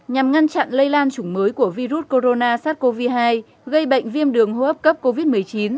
nhằm ngăn chặn lây lan chủng mới của virus corona sars cov hai gây bệnh viêm đường hô hấp cấp covid một mươi chín